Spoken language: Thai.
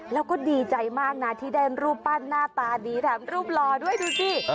แล้วก็ดีใจมากนะที่ได้รูปปั้นหน้าตาดีแถมรูปหล่อด้วยดูสิ